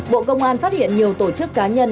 bộ công an phát hiện nhiều tổ chức cá nhân